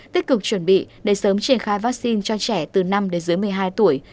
tích cực chuẩn bị để sớm triển khai vaccine cho trẻ từ năm đến dưới một mươi hai tuổi